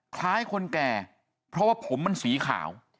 คล้ายคนแก่เพราะว่าผมมันสีขาว